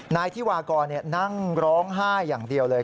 นายธิวากรนั่งร้องไห้อย่างเดียวเลย